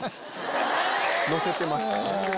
のせてましたね。